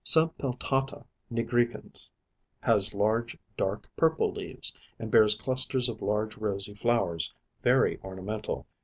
Subpeltata nigricans has large, dark purple leaves, and bears clusters of large rosy flowers, very ornamental.